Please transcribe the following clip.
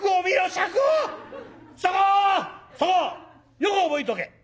よく覚えとけ！な？